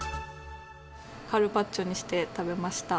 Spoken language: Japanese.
カルパッチョにして食べました。